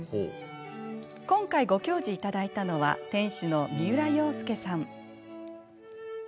今回、ご教示いただいたのは店主の三浦洋介さん。